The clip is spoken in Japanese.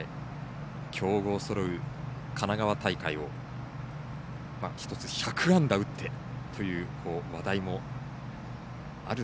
強豪そろう神奈川大会を一つ、１００安打打ってという話題も。